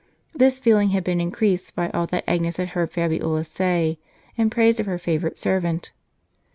This feeling had been increased by all that Agnes had heard Fabiola say, in praise of her favorite servant.